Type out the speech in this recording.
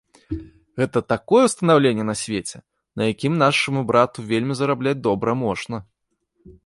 Гэта такое ўстанаўленне на свеце, на якім нашаму брату вельмі зарабляць добра можна.